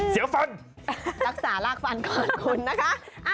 ฟันรักษารากฟันก่อนคุณนะคะ